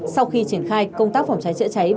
sau khi triển khai công tác phòng cháy